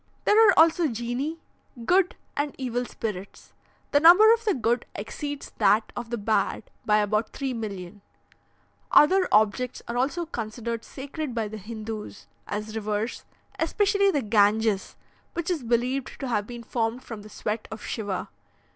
"There are also genii, good and evil spirits. The number of the good exceeds that of the bad by about 3,000,000. "Other objects are also considered sacred by the Hindoos, as rivers, especially the Ganges, which is believed to have been formed from the sweat of Shiva.